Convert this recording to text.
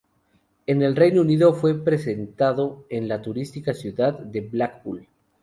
En el Reino Unido fue presentado en la turística ciudad de Blackpool.